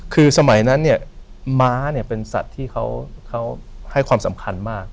คือสมัยนั้นเนี่ยม้าเนี่ยเป็นสัตว์ที่เขาให้ความสำคัญมาก